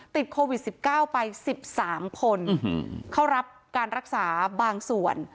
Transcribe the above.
ติดโควิด๑๙ไป๑๓คนเข้ารับการรักษาบางส่วน